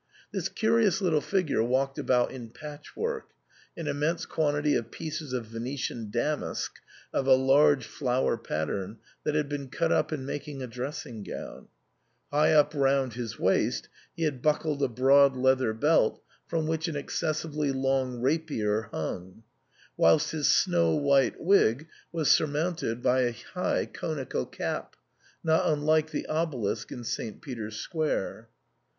This curious little figure walked about in patchwork — an immense quantity of pieces of Venetian damask of a large flower pattern that had been cut up in making a dressing gown ; high up round his waist he had buckled a broad leather belt, from which an excessively long rapier hung ; whilst his snow white wig was sur mounted by a high conical cap, not unlike the obelisk in St. Peter's Square.